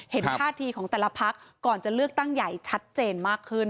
ท่าทีของแต่ละพักก่อนจะเลือกตั้งใหญ่ชัดเจนมากขึ้น